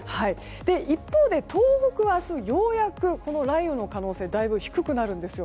一方で東北は明日ようやく雷雨の可能性がだいぶ低くなるんですよ。